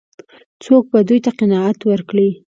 څوک به دوی ته قناعت ورکړي؟